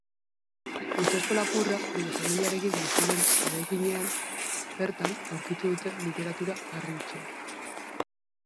Ustezko lapurra bere familiarekin bizi den eraikinean bertan aurkitu dute literatura harribitxia.